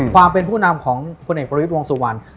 ความเป็นผู้นำของพลเอกประวิทย์วงสุวรรณ